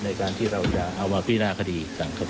ในการที่เราจะอวาวิทยาคดี